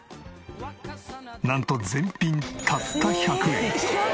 なんと全品たった１００円！